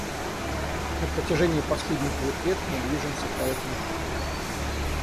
На протяжении последних двух лет мы движемся по этому пути.